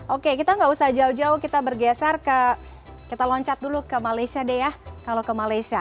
oke kita nggak usah jauh jauh kita bergeser ke kita loncat dulu ke malaysia deh ya kalau ke malaysia